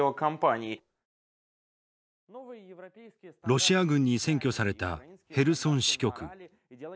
ロシア軍に占拠されたへルソン支局。